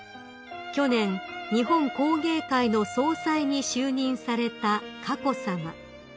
去年日本工芸会の総裁に就任された佳子さま］